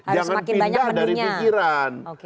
jangan pindah dari pikiran